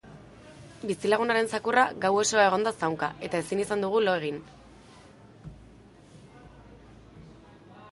Bizilagunaren zakurra gau osoa egon da zaunka eta ezin izan dugu lo egin.